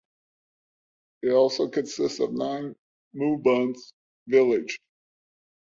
It also consists of nine "muban"s (village).